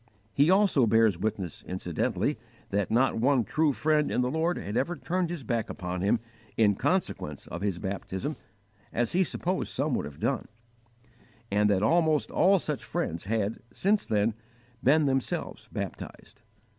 He also bears witness incidentally that not one true friend in the Lord had ever turned his back upon him in consequence of his baptism, as he supposed some would have done; and that almost all such friends had, since then, been themselves baptized.